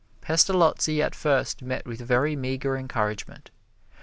Pestalozzi at first met with very meager encouragement.